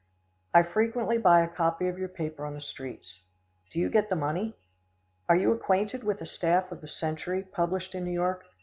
I frequently buy a copy of your paper on the streets. Do you get the money? Are you acquainted with the staff of The Century, published in New York?